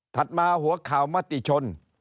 มาหัวข่าวมติชน